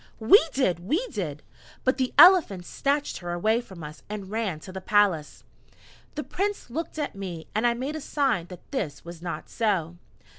"We did we did: but the Elephant snatched her away from us and ran to the palace!" The Prince looked at me, and I made a sign that this was not so.